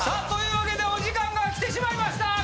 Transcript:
というわけでお時間が来てしまいました。